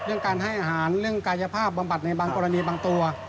เรื่องการให้อาหารเรื่องกายภาพบำบัดในบางกรณีบางตัว